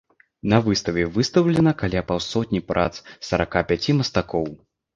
На выставе выстаўлена каля паўсотні прац сарака пяці мастакоў.